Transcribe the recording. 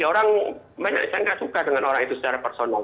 orang saya tidak suka dengan orang itu secara personal